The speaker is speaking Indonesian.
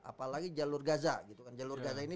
apalagi jalur gaza gitu kan jalur gaza ini